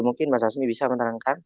mungkin mas asmi bisa menerangkan